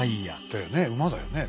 だよね馬だよねえ？